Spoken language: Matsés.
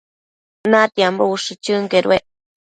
Natiambo ushë chënquedued